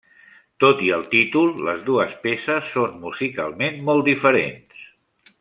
Tot i el títol, les dues peces són musicalment molt diferents.